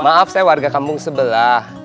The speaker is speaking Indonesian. maaf saya warga kampung sebelah